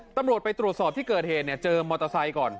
ตำรวจไปตรวจสอบที่เกิดเหตุเนี่ยเจอมอเตอร์ไซค์ก่อน